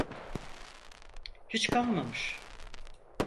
Hiç kalmamış.